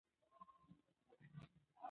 او ستا پت مي په مالت کي دی ساتلی